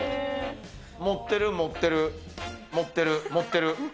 持ってる、持ってる、持ってる、持ってる。